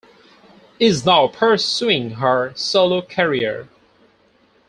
Is now pursuing her solo career.